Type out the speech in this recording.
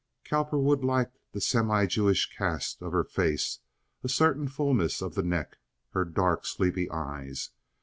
Cowperwood liked the semi Jewish cast of her face, a certain fullness of the neck, her dark, sleepy eyes.